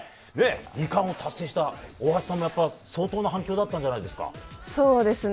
２冠を達成した大橋さんも相当な反響だったんじゃないですか？